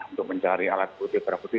untuk mencari alat bukti perakuti